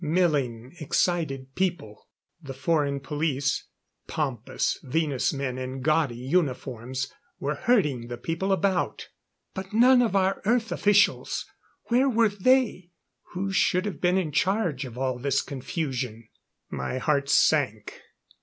Milling, excited people. The foreign police, pompous Venus men in gaudy uniforms, were herding the people about. But none of our Earth officials! Where were they, who should have been in charge of all this confusion? My heart sank.